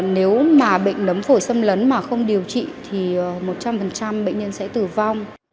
nếu mà bệnh nấm phổi xâm lấn mà không điều trị thì một trăm linh bệnh nhân sẽ tử vong